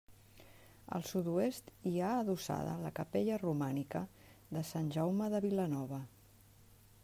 Al sud-oest hi ha adossada la capella romànica de Sant Jaume de Vilanova.